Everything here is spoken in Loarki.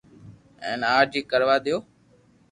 ھين آج ھي ڪروا ديو